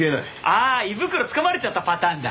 ああ胃袋つかまれちゃったパターンだ。